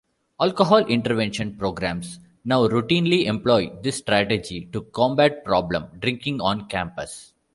Alcohol intervention programs now routinely employ this strategy to combat problem drinking on campus.